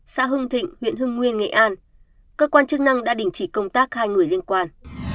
xã hưng thịnh huyện hưng nguyên nghệ an cơ quan chức năng đã đình chỉ công tác hai người liên quan